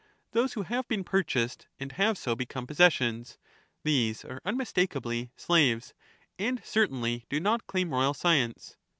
Those who have been purchased, and have so become possessions; these are unmistakeably slaves, and certainly do not claim royal science.